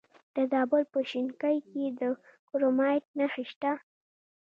د زابل په شینکۍ کې د کرومایټ نښې شته.